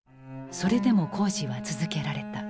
それでも工事は続けられた。